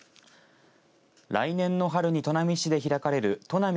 来年の春に砺波市で開かれるとなみ